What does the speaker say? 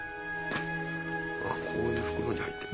あっこういう袋に入ってるんだ。